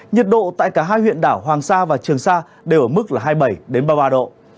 nhiệt độ tại cả hai huyện đảo hoàng sa và trường sa đều ở mức là hai mươi bảy ba mươi ba độ